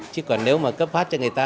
chứ còn nếu mà cấp phát cho người ta